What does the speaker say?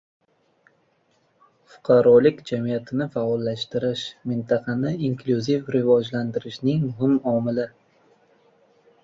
Fuqarolik jamiyatini faollashtirish — mintaqani inklyuziv rivojlantirishning muhim omili